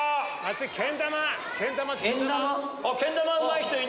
けん玉？